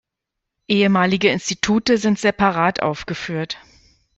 Ehemalige Institute sind separat aufgeführt.